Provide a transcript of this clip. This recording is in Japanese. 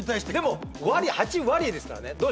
でも８割ですからね。